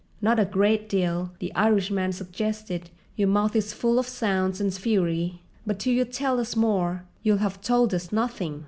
"Not a great deal," the Irishman suggested. "Your mouth is full of sounds and fury, but till you tell us more you'll have told us nothing."